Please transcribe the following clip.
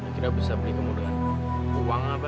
kira kira bisa beli kamu dengan uang apa